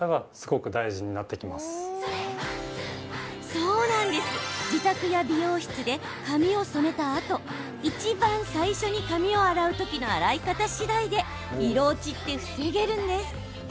そう自宅や美容室で髪を染めたあといちばん最初に髪を洗う時の洗い方次第で色落ちって防げるんです。